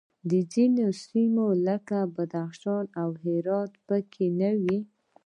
خو ځینې سیمې لکه بدخشان او هرات پکې نه وې